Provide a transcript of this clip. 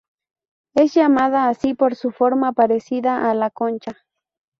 Es llamada así por su forma parecida a la concha.